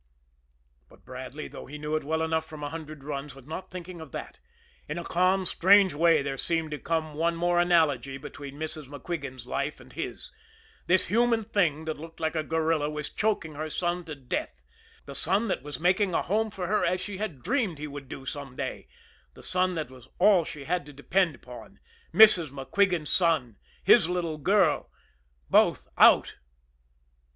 But Bradley, though he knew it well enough from a hundred runs, was not thinking of that. In a calm, strange way there seemed to come one more analogy between Mrs. MacQuigan's life and his this human thing that looked like a gorilla was choking her son to death, the son that was making a home for her as she had dreamed he would do some day, the son that was all she had to depend upon. Mrs. MacQuigan's son his little girl. Both out!